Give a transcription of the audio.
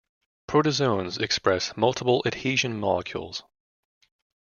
Protozoans express multiple adhesion molecules.